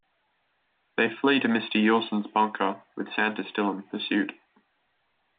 They flee to Mr. Yuleson's bunker, with Santa still in pursuit.